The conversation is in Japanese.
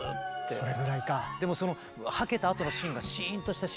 それぐらいか。